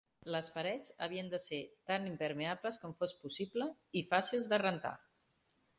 Les parets havien de ser tan impermeables com fos possible i fàcils de rentar.